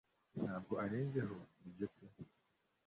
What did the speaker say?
Ntabwo arenzeho! Nibyo pe